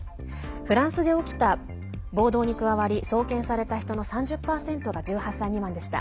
フランスで起きた暴動に加わり送検された人の３０％が１８歳未満でした。